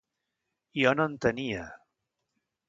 Jo no en tenia.